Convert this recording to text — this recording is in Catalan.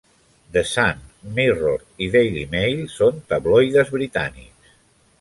The Sun, Mirror i Daily Mail són tabloides britànics.